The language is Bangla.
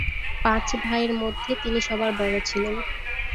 পাঁচ ভাইয়ের মধ্যে তিনি সবার বড়ো ছিলেন।